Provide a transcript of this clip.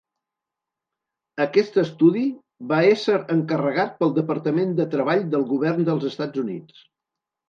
Aquest estudi va ésser encarregat pel Departament de Treball del Govern dels Estats Units.